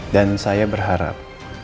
dan saya berharap